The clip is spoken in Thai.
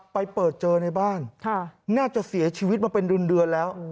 ไปเปิดเจอในบ้านน่าจะเสียชีวิตมาเป็นเดือนแล้ว